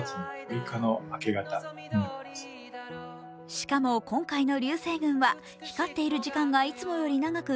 しかも、今回の流星群は光っている時間がいつもより長く